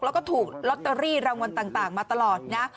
แล้วก็ถูกลอตเตอรี่รางวัลต่างมาตลอดนะ